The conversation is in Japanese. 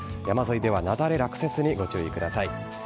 山沿いでは雪崩、落雪にご注意ください。